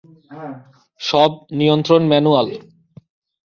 সব নিয়ন্ত্রণ ম্যানুয়াল।